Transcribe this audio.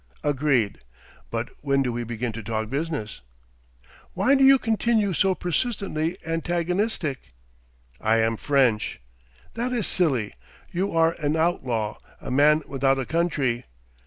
"Agreed. But when do we begin to talk business?" "Why do you continue so persistently antagonistic?" "I am French." "That is silly. You are an outlaw, a man without a country.